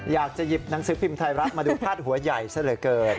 อยากจะหยิบหนังสือพิมพ์ไทยรัฐมาดูพาดหัวใหญ่ซะเหลือเกิน